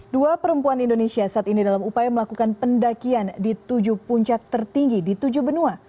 dua perempuan indonesia saat ini dalam upaya melakukan pendakian di tujuh puncak tertinggi di tujuh benua